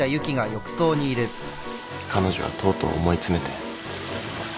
彼女はとうとう思い詰めて。